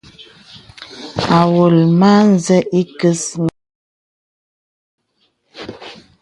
À wolɔ̀ mə à səŋ ìkə̀s mìntàk.